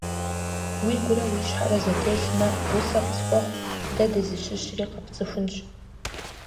Уигурэ уи щхьэрэ зэтелъмэ, гъусэ къысхуэхъу, дэ дызыщыщри къэпцӀыхунщ.